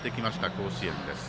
甲子園です。